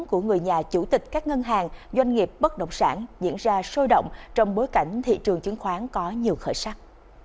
của người nhà chủ tịch các ngân hàng doanh nghiệp bất động sản diễn ra sôi động trong bối cảnh thị trường chứng khoán có nhiều khởi sắc